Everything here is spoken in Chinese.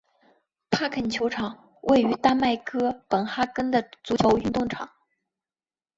帕肯球场位于丹麦哥本哈根的足球运动场。